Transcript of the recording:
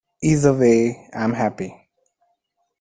Either way, I’m happy.